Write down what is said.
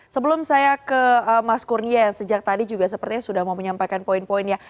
sebelum saya ke mas kurnia yang sejak tadi juga sepertinya sudah mau menyampaikan poin poinnya